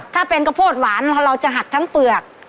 ถ้าเป็นกระโพดหวานเราจะหักทั้งเปลือก